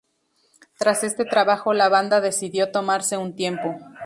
Tras este trabajo la banda decidió tomarse un tiempo.